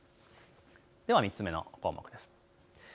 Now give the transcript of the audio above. では３つ目の項目です。